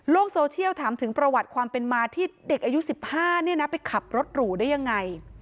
โซเชียลถามถึงประวัติความเป็นมาที่เด็กอายุ๑๕ไปขับรถหรูได้ยังไง